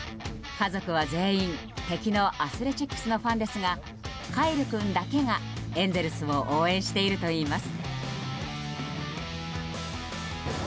家族は全員、敵のアスレチックスのファンですがカイル君だけがエンゼルスを応援しているといいます。